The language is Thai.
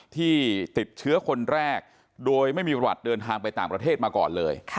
ที่ติดเชื้อคนแรกโดยไม่มีประวัติเดินทางไปต่างประเทศมาก่อนเลย